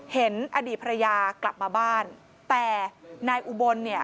เห็นอดีตภรรยากลับมาบ้านแต่นายอุบลเนี่ย